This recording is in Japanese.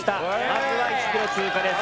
まずは１ｋｍ通過です。